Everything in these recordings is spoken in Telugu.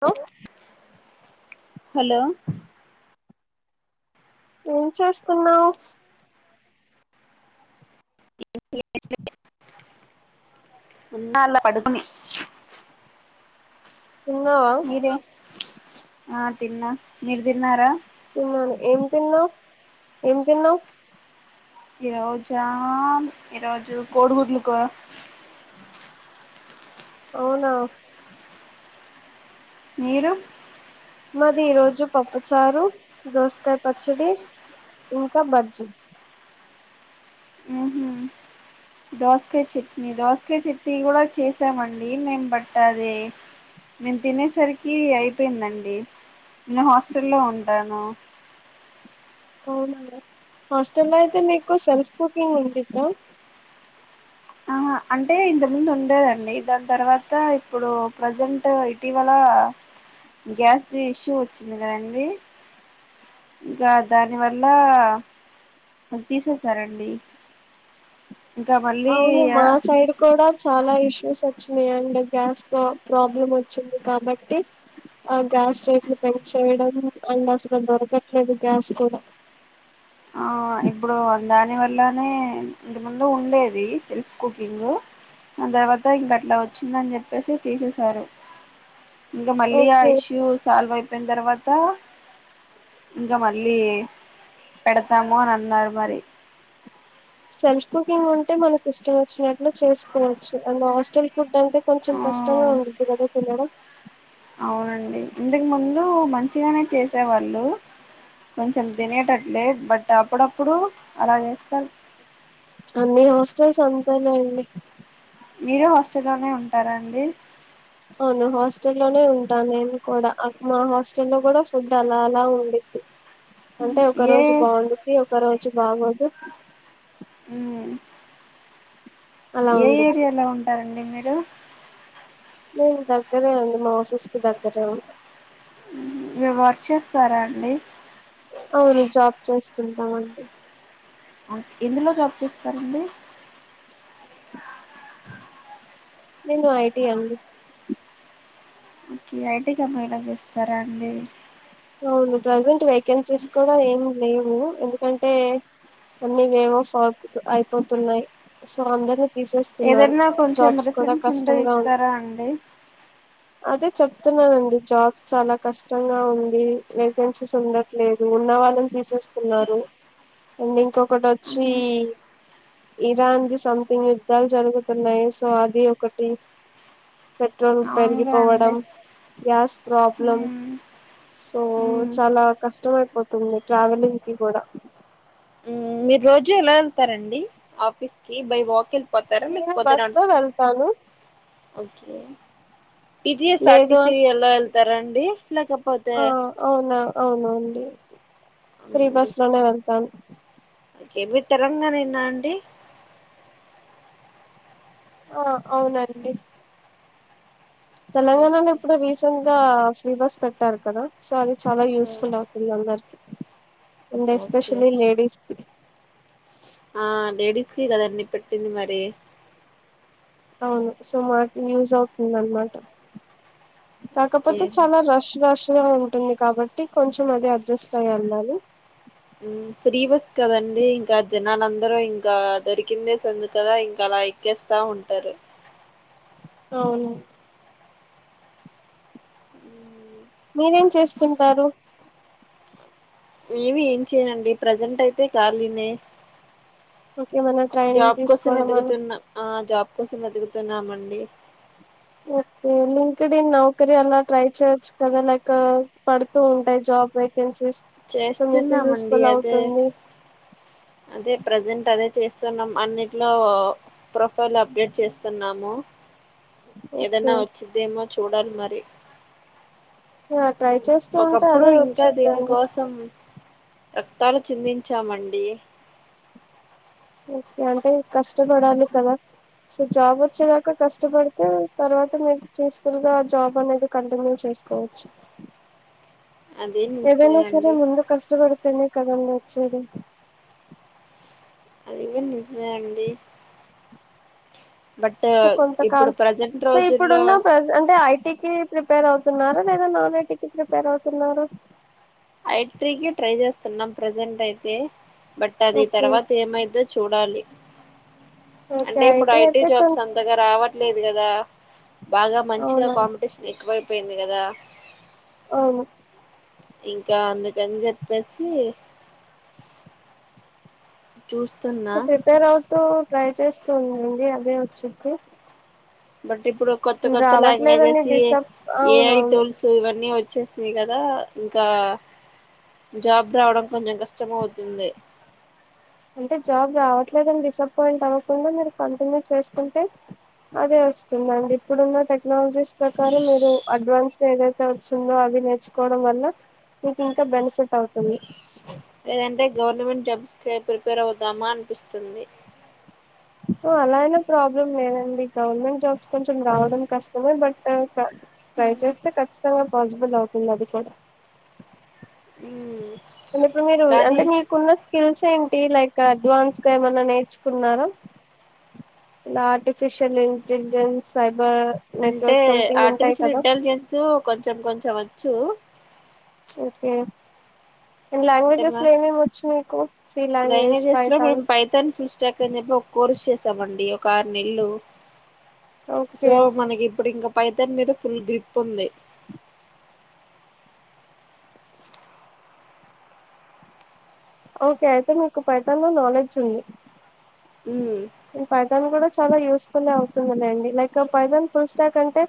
హలో హలో ఏం చేస్తున్నావు వున్న అలా పడుకుని తిన్నావా మీరే ఆ తిన్నా మీరు తిన్నారా తిన్నాను ఏం తిన్నావు ఏం తిన్నావు ఈ రోజా ఈరోజు కోడుగుడ్లు కూర అవునా మీరు మాది ఈ రోజు పప్పుచారు దోసకాయ పచ్చడి ఇంకా బద్ చి ఉహు దోసకాయ చట్నీ దోసకాయ చట్నీ కూడా చేసామండి మేం బట్టదే మేం తినేసరికి అయిపోయిందండి నేన్ హోస్టల్ లో ఉంటనూ అవునా వే హాస్టెల్ అయితే మీకు సెల్ఫ్ కుకింగ్ ఉండిద్ద అహ అంటే ఇంతముందు ఉండేదండి దాని తర్వాత ఇప్పుడు ప్రజెంట్ ఇటీవల గ్యాస్ ది ఇష్యూ వచ్చింది కదండి ఇంకా దాని వల్ల అది తీసేసారండి ఇంకా మళ్ళీ అవును మా సైడ్ కూడా చాలా ఇష్యూస్ అ చినయండి గ్యాస్ ప్ర ప్రాబ్లం వచ్చింది కాబట్టి ఆ గ్యాస్ రేట్లు పెన్ చేయడం అండ్ అసలు దొరకట్లేదు గ్యాస్ కూడా ఇలానే ఇంత ముందు ఉండేది సెల్ఫ్ కుకింగ్ ఆ తర్వాత ఇంక అట్లా వచ్చిందని చెప్పేసి తీసేశారు ఇంకా మళ్ళి ఆ ఓకే ఇష్యూ సాల్వ్ అయి చెప్పిన తర్వాత ఇంకా మళ్ళీ పెడతము అని అన్నారు మరి జస్ట్ కుకింగ్ ఉంటే మనకి ఇష్టం వచ్చినట్లు చేసుకోవచ్చు అడ్ హాస్టల్ ఫుడ్ అంటే కొంచెం ఆ కష్టంగా ఉంటుంది కదా తినడం అవునండి ఇంతకు ముందు మంచిగానే చేసేవాళ్ళు కొంచెం తినేటట్ బట్ అప్పుడప్పుడు అలా చేస్తారు అన్ని హాస్టల్స్ అంతే అండి మీరు హాస్టల్లోనే ఉంటారా అండి అవును హాస్టలోనే ఉంటా నేను కూడా అక్ మా హాస్టలో కూడా ఫుడ్ అలా అలా ఉంది అంటే ఒక రోజు ఏ బాగుండిది ఒక రోజు బాగోదు ఊ అలా ఏ ఉండిద్ది ఏరియాలో ఉంటారండి మీరు నేను దగ్గరే అండి మా ఆఫీస్ కి దగ్గరే ఉంటా మీర్ వర్క్ చేస్తారా అండి అ అ ఎందులో జాబ్ చేస్తారండి నేను ఐటి అండి ఓకే ఐటీ కంపెనీ లో చేస్తారా అండి అవును ప్రెసెంట్ వేకెన్సీస్ కూడా ఏం లేవు ఎందుకంటే అన్ని వేవ్ ఆఫ్ ఫాక్త్ అయిపోతున్నాయి సో అందరు తీసేస్తున్నారు ఏదైనా కొంచెం జాబ్స్ కూడా రిఫరెన్స్ ఉంటే కష్టంగా ఉంది ఇస్తారా అండి అది చెప్తున్నానండి జాబ్ చాలా కష్టంగా ఉంది ఈ వేకెన్సీస్ ఉండట్లేదు ఉన్న వాళ్ళని తీసేస్తున్నారు అండ్ ఇంకొకటొచ్చి ఇరాన్ కి సంథింగ్ యుద్ధాలు జరుగుతున్నాయి సో అది ఒకటి బట్ ల్ అవునుగా అండి పెరిగిపోవడం గ్యాస్ ప్రాబ్లం మ్మ్ సో మ్మ్ చాలా కష్టమయిపోతుంది ట్రావెలింగ్ కి కూడా మీరు రోజు ఎలా వెళ్తారండి ఆఫీస్ కి బై వాక్ వెళ్తా పోతాయి నేను లేకపోతే బస్ లో నడుచుకు వెళ్తాను ఓకే ఇది సార్టీ లేదు సి ఎల్లో వెళ్తారా అండి లేకపోతే ఆ అవునా అవునండి ఫ్రీ బస్ లోనే వెళ్తాను ఒకే మీది తెలంగాణనా అండి ఆ అవునండి తెలంగాణలో ఇప్పుడు రీసెంట్గా ఫ్రీ బస్ పెట్టారు కదా సో అది చాలా యూస్ఫుల్ అవుతుంది అందరికీ ఒకే కి ఆ లేడీస్ కి కద అన్ని పట్టింది మరి అవును సో మాకు యూజ్ అవుతుంది అనమాట ఓకే కాకపోతే చాలా రష్ రష్ నీట్ గా ఉంటుంది కాబట్టి కొంచెం అది అడ్జస్ట్ అయ్యి వెళ్ళాలి ఫ్రీ బస్ కదండి ఇంకా జనాలందరూ ఇంకా దొరికిందే సందు కదా ఇంక అలా నరికేస్తా ఉంటారు అవును ఉ మీరేం చేసుకుంటారు ఏమి ఏం చేయ్యండి ప్రజెంట్ అయితే కాలినే ఇంకేమైనా ట్రైనింగ్ జాబ్ కోసం తీసుకోవడం అలా వెతుకుతున్న ఆ జాబ్ కోసం వెతుకుతున్నమండి ఓ లింక్డ్ ఇన్ నౌకరీ అలా ట్రై చేయొచ్చు కదా లైక్ పడుతూ ఉంటాయి జాబ్ అయి సెన్సెస్ మీకు చేస్తున్నామండి యూస్ఫుల్ అదే అవుతుంది అదే ప్రజెంట్ అదే చేస్త సో న్నాం అన్నింటిలో ప్రొఫైల్ అప్డేట్ చేస్తున్నాము ఓకే ఏదన్నా వచ్చిందేమో చూడాలి మరి ట్రై చేస్తూ ఉంటే ఒకప్పుడు అదే ఇంకా వచ్చిద్దండి దీనికోసం రక్తాలు చిందించామండి ఓకే అంటే కష్టపడాలి కదా సో జాబ్ వచ్చేదాకా కష్టపడితే తర్వాత మీరు పీస్ఫుల్ గా జాబ్ అనేది కంటిన్యూ చేస్త తీసుకొచ్చు అది ఏదనా సరే నిజమేనండి ముందు కష్టపడితేనే కదండి వచ్చేది అది కూడా నిజమే అండి సో ఇప్పుడు కొంతకాలం ప్రజెంట్ సో రోజుల్లో ఇప్పుడున్న ప్ర అంటే ఐటీకి ప్రిప ప్రిపేర్ అవుతున్నారా లేదా నా నైటీ కి ప్రిపేర్ అవుతున్నారా ఐటీ కి ట్రై చేస్తున్నాం ప్రజెంట్ అయితే బట్ అది ఓకే తర్వాత ఏమైందో చూడాలి ఓకే అంటే ఇప్పుడు ఐటీ అయితే జాబ్స్ కొంచెం అంతగా రావట్ ట్లేదు కదా బాగా మంచిగా అవునా కాంపిటేషన్ ఎక్కువైపోయింది కదా అవును ఇంకా అందుకని చెప్పేసి సో చూస్తున్నా ప్రిపేర్ అవుతూ ట్రై చేస్తూ ఉందండి అదే వోచిద్ది బట్ ఇప్పుడు కొత్త కొత్త లాంగ్వేజెస్ డిసప్ ఏఐ అవునవును టూల్స్ ఇవన్నీ వ వచ్చేసినాయి కదా ఇంకా జాబ్ రావడం కొంచెం కష్టం అవుతుంది అంటే జాబ్ రావట్లేదని డిసప్పయింట్ అవ్వకుండా మీరు కంటిన్యూ చేసుకుంటే అదే వస్తుందండి ఇప్పుడున్న టెక్నాలజీస్ ప్రకారం మీరు అడ్వాన్స్ ఏదైతే వచ్చిందో అవి నేర్చుకోవడం వల్ల మీకు ఇంకా బెనిఫిట్ అవుతుంది లేదంటే గవర్నమెంట్ జాబ్స్కే ప్రిపేర్ అవుదామా అనిపిస్తుంది అలా అయిన ప్రాబ్లం లేదండి గవర్నమెంట్ జాబ్స్ కొంచెం రావడం కష్టమే బట్ ట్రై చేస్తే ఖచ్చితంగా పాసిబుల్ అవుతుంది అది కూడా ఉమ్ ఇప్పుడు మీరు కానీ అంటే మీకున్న స్కిల్స్ ఏం టి లైక్ అడ్వాన్స్ గా ఏమన్నా నేర్చుకున్నార ఆర్టిఫిషియల్ ఇంటెలిజెన్స్ అయ్ అంటే ఆర్టిఫిషియల్ ఇంటెలిజెన్సు కొంచెం కొంచెం వచ్చు ఓకే అండ్ అంటే మా లాంగ్వేజెస్లో ఏమి ఏమి వచ్చు మీకు సి లాంగ్వేజ్ లాంగ్వేజెస్ లో పైతాన్ మేము పైథాన్ ఫుల్ స్టాక్ అని చెప్పి ఒక కోర్స్ చేసామండి ఒక ఆరు నెల్లు ఓకే సో మనకి ఇప్పుడు ఇంగ పైతాన్ మీద ఫుల్ గ్రిప్ ఉంది ఓకే అయితే మీకు పైతాన్లో నాలెడ్జ్ ఉంది ఉమ్ ఈ పైతాన్ కూడా చాలా యూస్ ఫులే అవుతుంది లేండి లైక్ పైతాన్ ఫుల్ స్టాక్ అంటే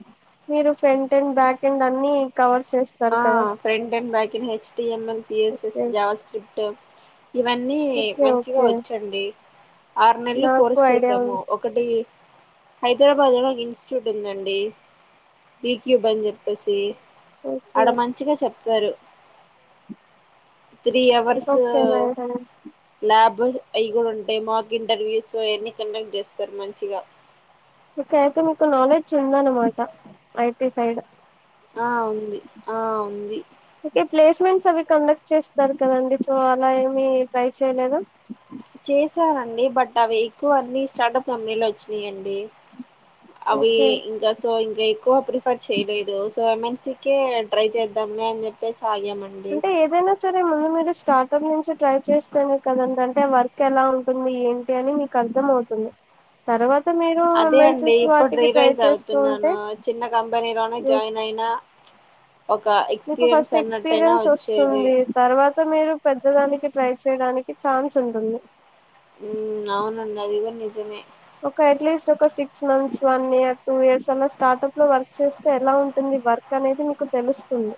మీరు ఫ్రెంట్ అండ్ బ్యాక్ ఎండ్ అన్ని కవర్ చేస్తారు ఆ కదా ఫ్రంట్ అండ్ బ్యాక్ని H T ML CSS okay JavaScript ఇవన్నీ ఓకే మంచిగా ఓకే వచ్చండి ఆరు నెల్లు నాకు కోర్సు ఐడియా చేసాము ఉంది ఒకటి హైదరాబాద్లో ఒక ఇన్స్టిట్యూట్ ఉందండి బిక్యూబ్ అని చెప్పేసి ఓకే అడ మంచిగా చెప్తారు three hours okay madam lab అయ్యి కూడా ఉంటే మాక్ ఇంటర్వ్యూస్ ఎన్ని కండక్ట్ చేస్తారు మంచిగా ఓకే అయితే మీకు నాలెడ్జ్ ఉంద అనమాట ఐటీ సైడ్ ఆ ఉంది ఆ ఉంది స్ అవి కండక్ట్ చేస్తారు కదండి సో అలా ఏమి ట్రై చేయలేద చేశానండి బట్ అవి ఎక్కువ అన్ని స్టార్టప్ ఫమ్మెలో వచ్చినీయండి అవి ఓకే ఇంకా సో ఇంకా ఎక్కువ ప్రిఫర్ చేయలేదు so I mean C K try చేద్దామ్లే అని చెప్పి ఆగామండి అంటే ఏదైనా సరే ముందు మీరు స్టార్టప్ నుంచి ట్రై చేస్తేనే కదంటంటే వర్క్ ఎలా ఉంటుంది ఏంటి అని నీకు అర్థమవుతుంది తర్వా అదే అండి ఇప్పుడు రీలైజ్ చేస్తూ ఉంటే అవుతున్నాను చిన్న కంపెనీ లోనే ఎస్ జాయిన్ అయినా ఒక మీకు ఎక్స్పీరియన్స్ ఫస్ట్ అన్నట్టయినా ఎక్స్పీరియన్స్ వచ్చేది వస్తుంది తర్వాత మీరు పెద్దదానికి ట్రై చేయడానికి ఛాన్స్ ఉంటుంది ఉమ్ అవునండి అది కూడ నిజమే ఒక అట్లీస్ట్ ఒక six months one year two years అలా స్టార్టప్ లో వర్క్ చేస్తే ఎలా ఉంటుంది వర్క్ అనేది మీకు తెలుస్తుంది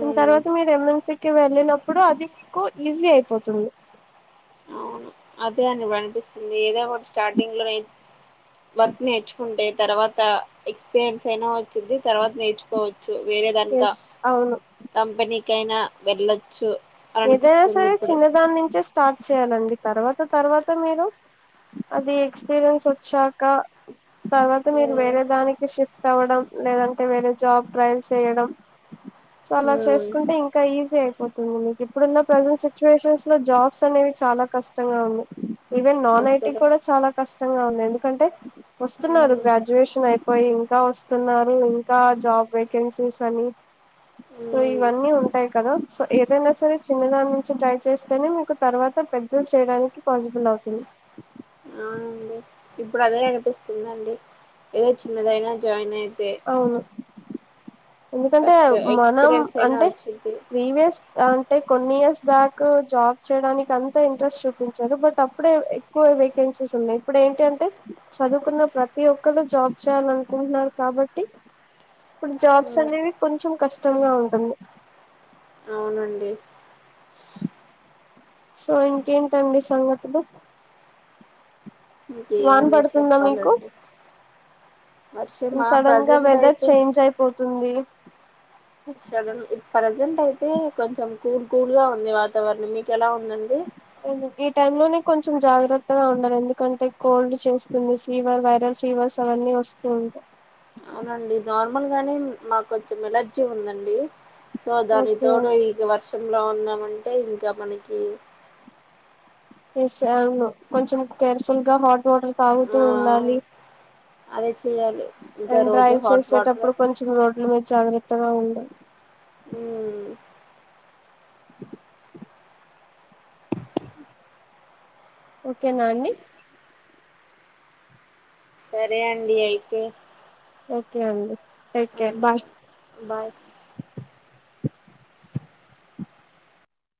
దాని తర్వాత మీరు ఎమ్ ఎన్ సికి వెళ్ళినప్పుడు అది మీకు ఈజీ అయిపోతుంది అవును అదే అండి ఇప్పుడు అనిపిస్తుంది ఏదో ఒక స్టార్టింగ్ లో వర్క్ నేర్చుకుంటే తర్వాత ఎక్స్పీరియన్స్ అయినా చిద్ది తర్వాత నేర్చుకోవచ్చు వేరే దానిక ఎస్ అవును కంపెనీ కైనా వెళ్ళొచ్చు అని ఏదైనా అనిపిస్తుంది సరే ఇప్పుడు చిన్న దాన్ని నుంచే స్టార్ట్ చేయాలండి తర్వాత తర్వాత మీరు అది ఎక్స్పీరియన్స్ వచ్చాక తర్వాత మీరు వేరే దానికి షిఫ్ట్ అవ్వడం లేదంటే వేరే జాబ్ ట్రైల్స్ వేయడం సో అలా ఉమ్ చేసుకుంటే ఇంకా ఈజీ అయిపోతుంది మీకు ఇప్పుడున్న ప్రజెంట్ సిచ్యువేషన్స్ లో జాబ్స్ అనేవి చాలా కష్టంగా ఉంది ఈవెన్ నాన్ ఐటీ అస్సలు కూడా చ చాలా కష్టంగా ఉంది ఎందుకంటే వస్తున్నారు ఉమ్ గ్రాడ్యుయేషన్ అయిపోయి ఇంకా వస్తున్నారు ఇంకా జాబ్ వేకెన్సీస్ అని సో ఉమ్ ఇవన్నీ ఉంటాయి కదా సో ఏదైనా సరే చిన్నదారి నుంచి ట్రై చేస్తేనే మీకు తర్వాత పెద్దది చేయడానికి పాసిబుల్ అవుతుంది అవునండి ఇప్పుడు అదే అనిపిస్తుందిండి ఏదో చిన్నదైనా జాయిన్ అయి అవును ఎందుకంటే ఫస్ట్ మనం ఎక్స్పీరియన్స్ అయినా అంటే వచ్చిద్ది ప్రీవియస్ అంటే కొన్ని ఇయర్స్ బ్యాక్ జాబ్ చేయడానికి అంతా ఇంట్రెస్ట్ చూపించారు బట్ అప్పుడే ఎక్కువ వేకే ఉన్నాయి ఇప్పుడు ఏంటి అంటే చదువుకున్న ప్రతి ఒక్కరు జాబ్ చేయాలనుకుంటున్నారు కాబట్టి ఇప్పుడు జాబ్స్ ఉమ్ అనేవి కొంచెం కష్టంగా ఉంటుంది అవునండి సో ఇంకేంటి అండి సంగతులు ఏమో వాన మీరు పడుతుందా మీకు చెప్పాలండి వర్షమా సడన్ గా ప్రజెంట్ వెదర్ అయితే చేంజ్ అయిపోతుంది సరన్ ప్రజెంట్ అయితే కొంచెం కూల్ కూల్గా ఉంది వాతావరణం మీకెలా ఉ ఉందండి టైం లోనే కొంచెం జాగ్రత్తగా ఉండాలి ఎందుకంటే కోల్డ్ చేస్తుంది ఫీవర్ వైరల్ ఫీవర్స్ అవన్నీ వస్తు ఉంటై అవునండి నార్మల్ గానే మాకు కొంచెం ఎలర్జీ ఉందండి సో దానికి ఓకే తోడు ఈ వర్షంలో ఉన్నామంటే ఇంకా మనకి ఎస్ అవును కొంచెం కేర్ఫుల్గా హాట్ వాటర్ తాగుతూ ఆ ఉండాలి అదే చేయాలి ఇంకా అండ్ రోజు డ్రైవ్ హాట్ వాటర్ చేసేటప్పుడు కొంచెం రోడ్ల మీద జాగ్రత్తగా ఉండలి ఉమ్ ఓకేనా అండి సరే అండి ఎయితే ఓకే అండి take care um bye bye